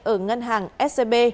ở ngân hàng scb